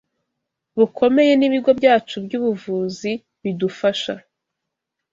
bukomeye n’ibigo byacu by’ubuvuzi bidufasha